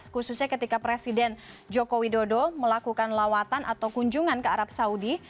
khususnya ketika presiden joko widodo melakukan lawatan atau kunjungan ke arab saudi